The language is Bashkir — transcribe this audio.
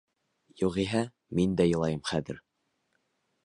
Юғиһә, мин дә илайым хәҙер...